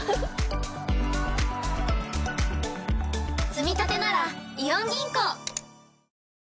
つみたてならイオン銀行！